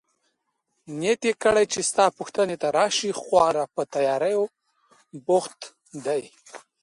نیت يې کړی چي ستا پوښتنې ته راشي، خورا په تیاریو بوخت دی.